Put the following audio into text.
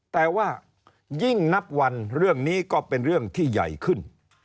แต่ว่ายิ่งนับวันเรื่องนี้ก็เป็นเรื่องที่ใหญ่ขึ้น